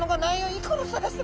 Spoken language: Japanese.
いくら探してもない。